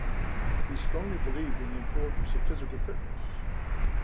He strongly believed in the importance of physical fitness.